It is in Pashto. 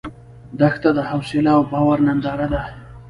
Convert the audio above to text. دښته د حوصله او باور ننداره ده.